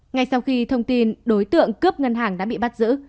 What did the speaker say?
ngay sau khi thông tin đối tượng cướp ngân hàng đã bị bắt giữ